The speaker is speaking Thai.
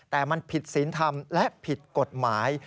แต่มันผิดศีลธรรมและผิดกฎหมาย